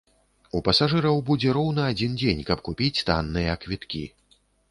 У пасажыраў будзе роўна адзін дзень, каб купіць танныя квіткі.